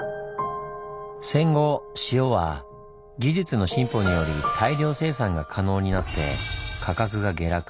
戦後塩は技術の進歩により大量生産が可能になって価格が下落。